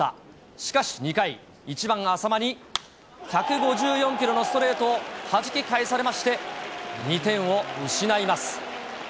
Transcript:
しかし、２回、１番淺間に１５４キロのストレートをはじき返されまして、２点を失います。